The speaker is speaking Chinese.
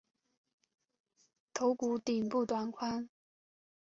头骨顶部短宽。